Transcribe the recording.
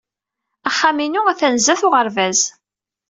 Axxam-inu atan sdat uɣerbaz.